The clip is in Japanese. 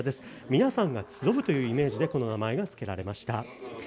皆さんが集うというイメージでこの名が付けられました。